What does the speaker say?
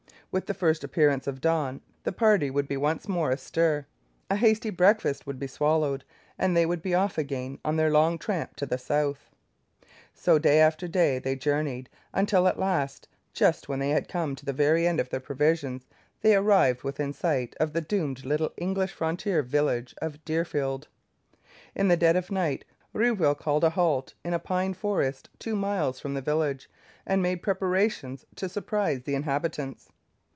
With the first appearance of dawn, the party would be once more astir; a hasty breakfast would be swallowed, and they would be off again on their long tramp to the south. So day after day they journeyed until at last, just when they had come to the very end of their provisions, they arrived within sight of the doomed little English frontier village of Deerfield. In the dead of the night Rouville called a halt in a pine forest two miles from the village, and made preparations to surprise the inhabitants.